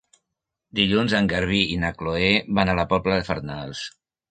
Dilluns en Garbí i na Chloé van a la Pobla de Farnals.